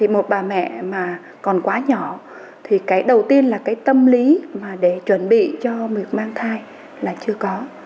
một bà mẹ mà còn quá nhỏ thì đầu tiên là tâm lý để chuẩn bị cho việc mang thai là chưa có